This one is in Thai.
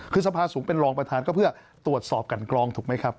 คือสภาสูงเป็นรองประธานก็เพื่อตรวจสอบกันกรองถูกไหมครับ